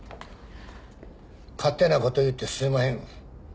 勝手なこと言うてすいまへん。